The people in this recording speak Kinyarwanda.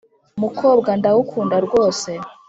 mukobwa ndagukunda rwose